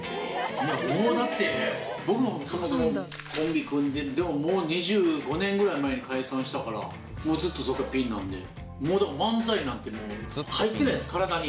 いやー、もうだって、僕もう、コンビ組んで、でももう２５年ぐらい前に解散したから、もうずっとそこからピンなんで、もうでも漫才なんてずっと入ってないです、体に。